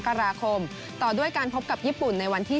ก็ค่อนข้างคือนี้